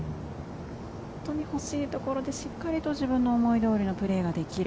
本当に欲しいところで自分の思いどおりのプレーができる。